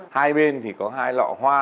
hai bên thì có hai lọ hoa